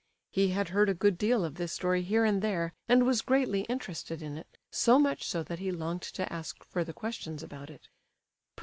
He had heard a good deal of this story here and there, and was greatly interested in it, so much so that he longed to ask further questions about it.